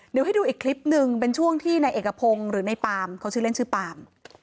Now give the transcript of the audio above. เดี๋ยวให้ดูอีกคลิปหนึ่งเป็นช่วงที่นายเอกพงศ์หรือในปามเขาชื่อเล่นชื่อปาม